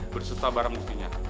berserta barang buktinya